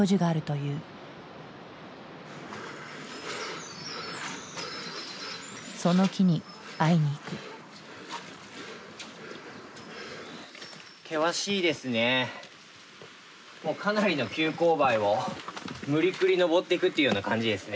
もうかなりの急勾配を無理くり登っていくっていうような感じですね。